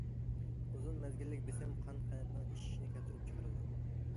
ئۇزۇن مەزگىللىك بېسىم قان قەنتىنىڭ ئېشىشىنى كەلتۈرۈپ چىقىرىدۇ.